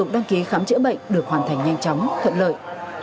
đăng ký khám chữa bệnh được hoàn thành nhanh chóng thuận lợi